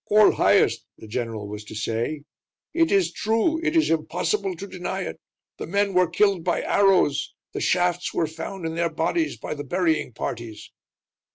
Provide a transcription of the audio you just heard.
"All Highest," the general was to say, "it is true, it is impossible to deny it. The men were killed by arrows; the shafts were found in their bodies by the burying parties."